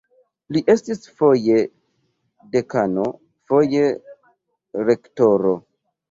Li estis foje dekano, foje rektoro.